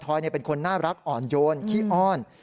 ทอยเนี่ยเป็นคนน่ารักอ่อนโยนขี้อ้อน